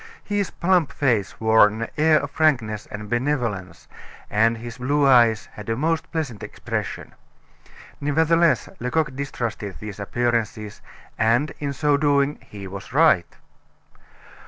His plump face wore an air of frankness and benevolence, and his blue eyes had a most pleasant expression. Nevertheless, Lecoq distrusted these appearances, and in so doing he was right.